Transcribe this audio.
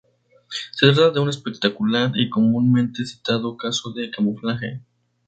Se trata de un espectacular y comúnmente citado caso de camuflaje.